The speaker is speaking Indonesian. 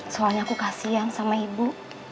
soalnya aku kasian sama ibu